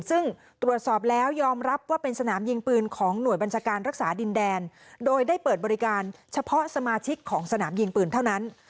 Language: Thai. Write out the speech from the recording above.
ซึ่งตรวจสอบแล้วยอมรับว่าเป็นสนามยิงปืนของหน่วยบัญชาการรักษาดินแดนโดยได้เปิดบริการเฉพาะสมาชิกของสนามยิงปืนเท่านั้น